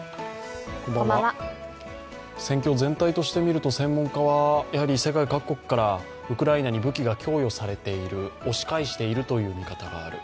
戦況全体として見ると、専門家は世界各国からウクライナに武器が供与されている押し返しているという見方がある。